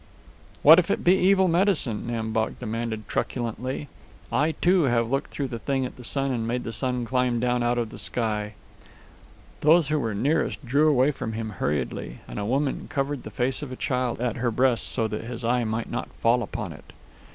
"What if it be evil medicine?" Nam Bok demanded truculently. "I, too, have looked through the thing at the sun and made the sun climb down out of the sky." Those who were nearest drew away from him hurriedly, and a woman covered the face of a child at her breast so that his eye might not fall upon it.